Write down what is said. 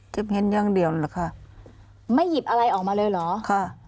เห็นอย่างเดียวเหรอค่ะไม่หยิบอะไรออกมาเลยเหรอค่ะ